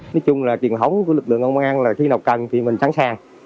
nói chung là truyền thống của lực lượng công an là khi nào cần thì mình sẵn sàng